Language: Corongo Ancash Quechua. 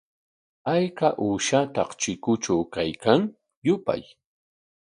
¿Ayka uushata chikutraw kaykan? Yupay.